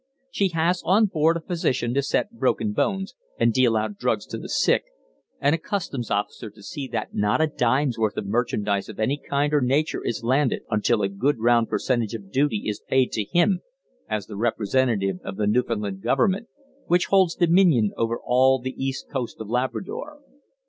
She has on board a physician to set broken bones and deal out drugs to the sick, and a customs officer to see that not a dime's worth of merchandise of any kind or nature is landed until a good round percentage of duty is paid to him as the representative of the Newfoundland Government, which holds dominion over all the east coast of Labrador.